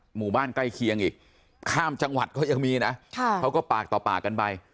หมู่บ้านใกล้เคียงอีกข้ามจังหวัดก็ยังมีนะเขาก็ปากต่อปากกันไป